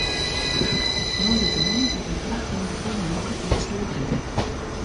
Moandeitemoarn is in frachtwein fol molke yn 'e sleat rekke.